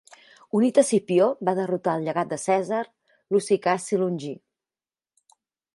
Unit a Escipió va derrotar el llegat de Cèsar, Luci Cassi Longí.